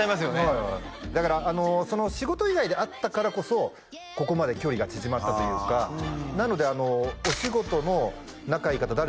はいはいだから仕事以外で会ったからこそここまで距離が縮まったというかなのでお仕事の仲いい方誰ですか？